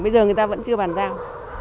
bây giờ người ta vẫn chưa bàn giao